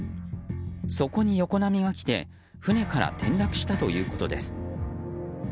そこに横波が来て船から転落したということです。